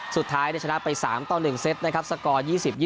สุดท้ายเนี่ยชนะไปสามตอนหนึ่งเซตนะครับสกอร์๒๐๒๕